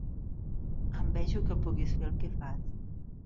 Envejo que puguis fer el que fas.